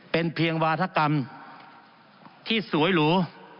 เป็นเพียงวาธกรรมที่สวยหรู